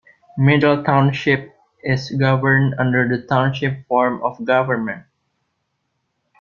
Middle Township is governed under the Township form of government.